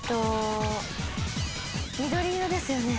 緑色ですよね。